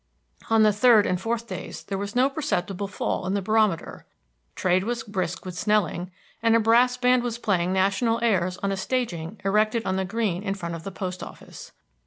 On the third and fourth days there was no perceptible fall in the barometer. Trade was brisk with Snelling, and a brass band was playing national airs on a staging erected on the green in front of the post office.